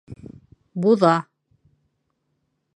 Буҙа